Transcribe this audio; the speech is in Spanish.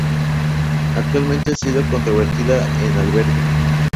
Actualmente ha sido reconvertida en albergue.